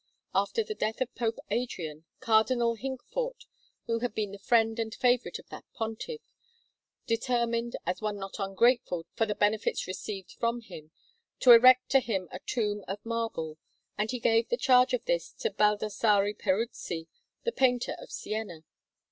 After the death of Pope Adrian, Cardinal Hincfort, who had been the friend and favourite of that Pontiff, determined, as one not ungrateful for the benefits received from him, to erect to him a tomb of marble; and he gave the charge of this to Baldassarre Peruzzi, the painter of Siena.